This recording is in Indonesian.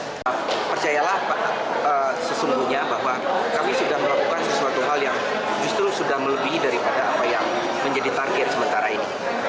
nah percayalah pak sesungguhnya bahwa kami sudah melakukan sesuatu hal yang justru sudah melebihi daripada apa yang menjadi target sementara ini